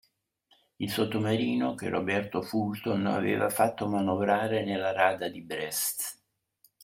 Il sottomarino che Roberto Fulton aveva fatto manovrare nella rada di Brest